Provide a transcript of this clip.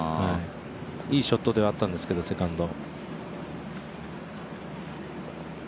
いいショットではあったんですけど、セカンド。